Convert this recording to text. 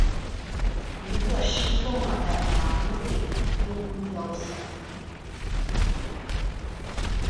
一个失纵了的昴贵鹰雕像。